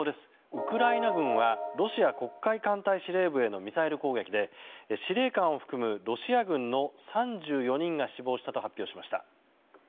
ウクライナ軍はロシア黒海艦隊司令部へのミサイル攻撃で司令官を含むロシア軍の３４人が死亡したと発表しました。